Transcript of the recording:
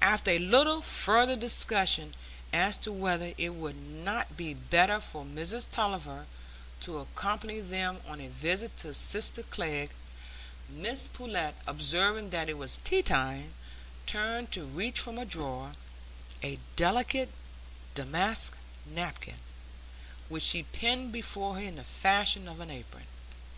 After a little further discussion as to whether it would not be better for Mrs Tulliver to accompany them on a visit to sister Glegg, Mrs Pullet, observing that it was tea time, turned to reach from a drawer a delicate damask napkin, which she pinned before her in the fashion of an apron.